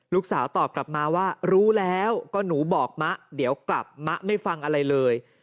ลูกสาวตอบกลับมาว่ารู้แล้วก็หนูบอกมะเดี๋ยวกลับมะไม่ฟังอะไรเลย